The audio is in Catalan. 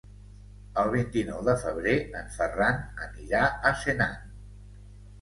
El vint-i-nou de febrer en Ferran anirà a Senan.